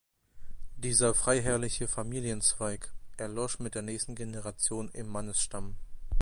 Dieser freiherrliche Familienzweig erlosch mit der nächsten Generation im Mannesstamm.